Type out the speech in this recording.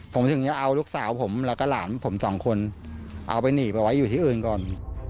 ผมถึงจะเอาลูกสาวผมแล้วก็หลานผมสองคนเอาไปหนีไปไว้อยู่ที่อื่นก่อน